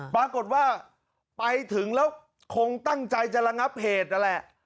ปรากฏว่าไปถึงแล้วคงตั้งใจจะระงับเหตุนั่นแหละ